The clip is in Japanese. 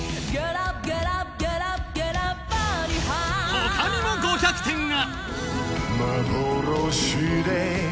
ほかにも５００点が。